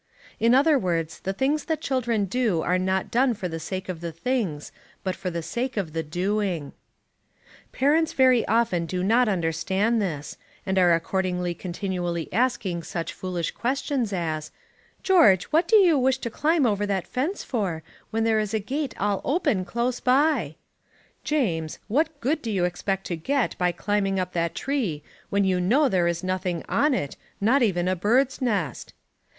In other words, the things that children do are not done for the sake of the things, but for the sake of the doing. Parents very often do not understand this, and are accordingly continually asking such foolish questions as, "George, what do you wish to climb over that fence for, when there is a gate all open close by?" "James, what good do you expect to get by climbing up that tree, when you know there is nothing on it, not even a bird's nest?"